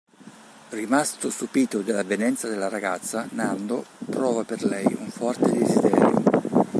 Rimasto stupito dall'avvenenza della ragazza Nando prova per lei un forte desiderio.